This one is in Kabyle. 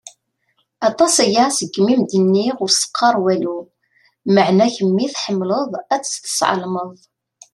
Aṭas-aya seg mi i m-d-nniɣ ur s-qqaṛ walu, meƐna kemmi tḥemmleɣ ad tt-tesƐelmeḍ.